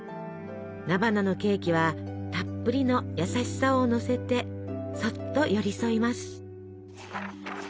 菜花のケーキはたっぷりの優しさをのせてそっと寄り添います。